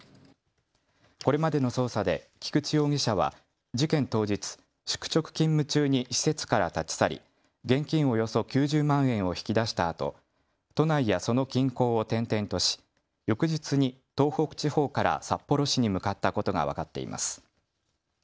これまでの捜査で菊池容疑者は事件当日、宿直勤務中に施設から立ち去り、現金およそ９０万円を引き出したあと都内やその近郊を転々とし翌日に東北地方から札幌市に向かったことが分かっています。